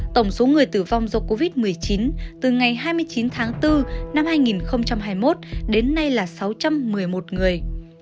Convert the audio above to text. tổng số người tử vong do covid một mươi chín từ ngày hai mươi chín tháng bốn năm hai nghìn hai mươi một đến nay là sáu trăm một mươi một người